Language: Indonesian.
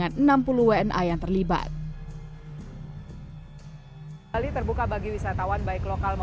atau terdapat lima puluh enam kali